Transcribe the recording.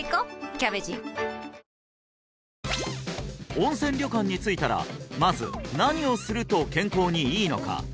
温泉旅館に着いたらまず何をすると健康にいいのか？